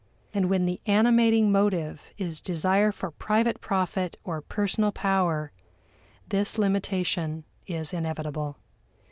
And when the animating motive is desire for private profit or personal power, this limitation is inevitable.